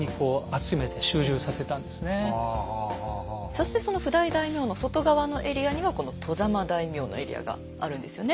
そしてその譜代大名の外側のエリアにはこの外様大名のエリアがあるんですよね。